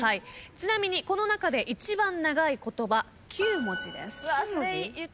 ちなみにこの中で一番長い言葉９文字です。